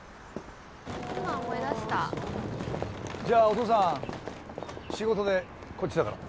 じゃあお父さん仕事でこっちだから。